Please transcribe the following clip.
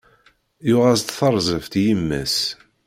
Yuɣ-as-d tarzeft i yemma-s